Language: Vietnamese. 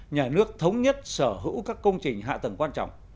nhà nước thống nhất sở hữu các công trình hạ tầng quan trọng